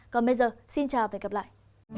còn bây giờ xin chào và hẹn gặp lại